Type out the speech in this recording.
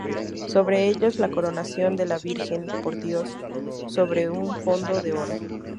Sobre ellos, la coronación de la Virgen por Dios, sobre un fondo de oro.